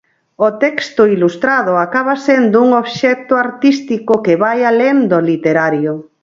O texto ilustrado acaba sendo un obxecto artístico que vai alén do literario.